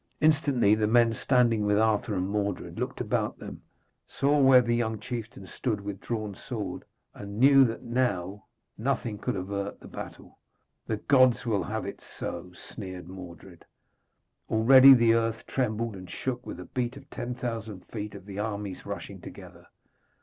Instantly the men standing with Arthur and Mordred looked about them, saw where the young chieftain stood with drawn sword, and knew that now nothing could avert the battle. 'The gods will have it so!' sneered Mordred. Already the earth trembled and shook with the beat of ten thousand feet of the armies rushing together.